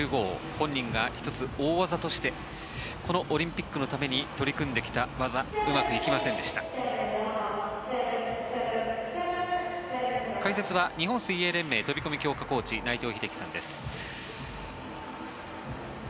本人が１つ大技としてこのオリンピックのために取り組んできた技うまく行きませんでした。